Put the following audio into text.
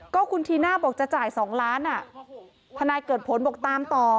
ก็คุณธีน่าบอกจะจ่าย๒ล้านทนายเกิดผลบอกตามต่อ